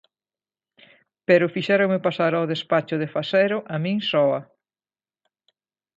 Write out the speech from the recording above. Pero fixéronme pasar ao despacho de Fasero a min soa.